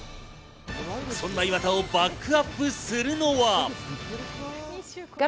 そんな岩田をバックアップするのは。